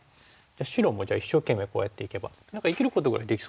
白もじゃあ一生懸命こうやっていけば何か生きることぐらいできそうですかね。